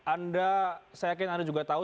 anda saya yakin anda juga tahu